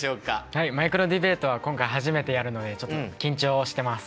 はいマイクロディベートは今回初めてやるのでちょっと緊張してます。